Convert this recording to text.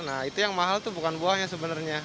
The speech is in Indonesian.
nah itu yang mahal itu bukan buahnya sebenarnya